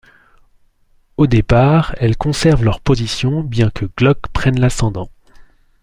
Au départ, elles conservent leurs positions bien que Glock prenne l'ascendant.